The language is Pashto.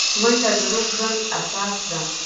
منډه د روغ ژوند اساس ده